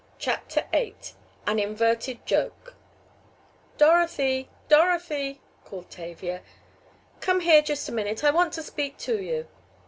CHAPTER VIII AN INVERTED JOKE "Dorothy! Dorothy!" called Tavia. "Come here just a minute. I want to speak to you."